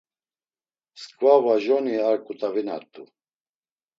Msǩva, vajoni ar ǩutavinart̆u.